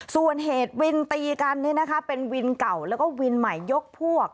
ส่วนเหตุวินตีกันเป็นวินเก่าแล้วก็วินใหม่ยกพวก